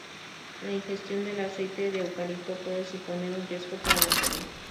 La ingestión del aceite de eucalipto puede suponer un riesgo para la salud.